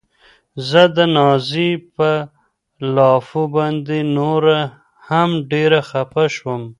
زه د نازيې په لافو باندې نوره هم ډېره خپه شوم.